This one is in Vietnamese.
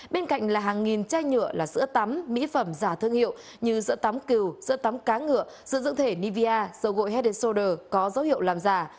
bên cạnh là hàng nghìn chai nhựa là sữa tắm mỹ phẩm giả thương hiệu như sữa tắm cừu sữa tắm cá ngựa sữa dưỡng thể nivea sầu gội hedesolder có dấu hiệu làm giả